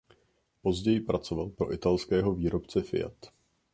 Později pracoval pro italského výrobce Fiat.